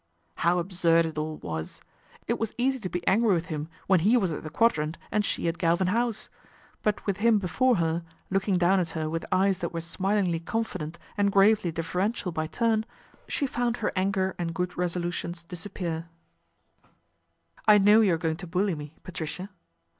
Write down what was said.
How absurd it all was. It was easy to be angry with him when he was at the Quadrant and she at Galvin House ; but with him before her, looking down at her with eyes that were smilingly con fident and gravely deferential by turn, she found her anger and good resolutions disappear. LORD PETER PROMISES A SOLUTION 99 " I know you are going to bully me, Patricia."